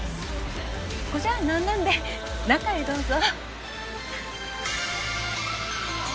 ここじゃなんなんで中へどうぞ。